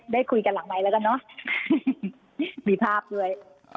ได้คุยกันหลังไมค์แล้วกันเนอะมีภาพด้วย